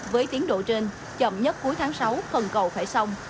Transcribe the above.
với tiến độ trên chậm nhất cuối tháng sáu phần cầu phải xong